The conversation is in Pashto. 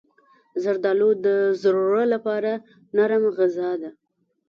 زردالو د زړه لپاره نرم غذا ده.